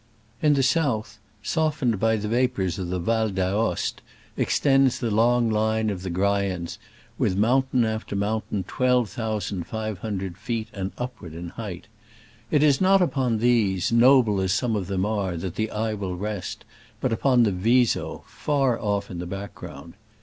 In the south, softened by the vapors of the Val d'Aoste, extends the long line of the Graians, with mountain after mountain twelve thousand five hundred feet and upward in height. It is not upon these, noble as some of them are, that the eye will rest, but upon the Viso, far off in the background.